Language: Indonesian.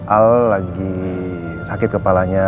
al lagi sakit kepalanya